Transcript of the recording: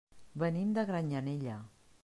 Venim de Granyanella.